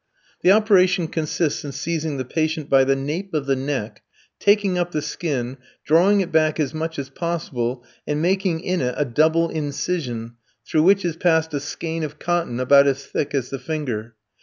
The operation consists in seizing the patient by the nape of the neck, taking up the skin, drawing it back as much as possible, and making in it a double incision, through which is passed a skein of cotton about as thick as the finger.